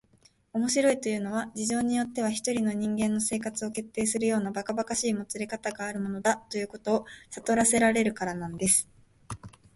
「面白いというのは、事情によっては一人の人間の生活を決定するようなばかばかしいもつれかたがあるものだ、ということをさとらせられるからなんです」